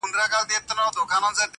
څه عجيبه غوندي حالت دى په يوه وجود کي ,